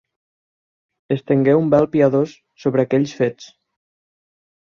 Estengué un vel piadós sobre aquells fets.